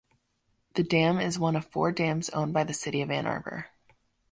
The dam is one of four dams owned by the city of Ann Arbor.